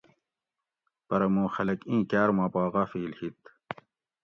پرہ موں خلک ایں کاۤر ما پا غافل ہِت